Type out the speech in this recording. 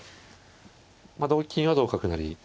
まあ同金は同角成。